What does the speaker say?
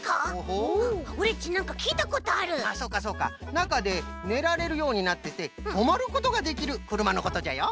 なかでねられるようになっててとまることができるくるまのことじゃよ。